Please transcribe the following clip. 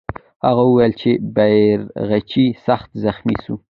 هغه وویل چې بیرغچی سخت زخمي سو.